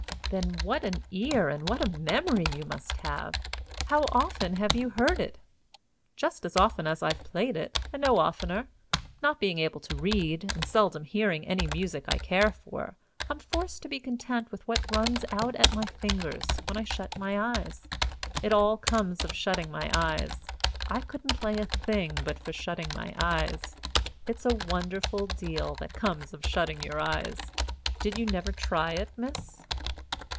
"Then what an ear and what a memory you must have! How often have you heard it?" "Just as often as I've played it, and no oftener. Not being able to read, and seldom hearing any music I care for, I'm forced to be content with what runs out at my fingers when I shut my eyes. It all comes of shutting my eyes. I couldn't play a thing but for shutting my eyes. It's a wonderful deal that comes of shutting your eyes! Did you never try it, miss?"